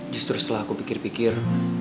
justru setelah aku pikir pikir